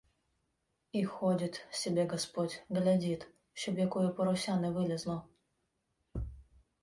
І ходит собе господь, глядит, щоб якоє порося не вилєзло.